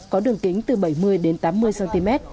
có đường kính từ bảy mươi đến tám mươi cm